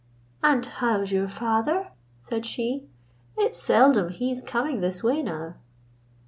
'And how's your father?' said she. 'It's seldom he's coming this way now.'